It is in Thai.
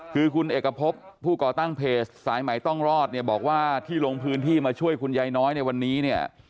คือคุณเอกพบผู้ก่อตั้งเพจสายใหม่ต้องรอดเนี่ยบอกว่าที่ลงพื้นที่มาช่วยคุณยายน้อยในวันนี้เนี่ย